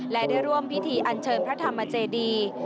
และได้ร่วมพิธีอันเชิญพระธรรมเจดี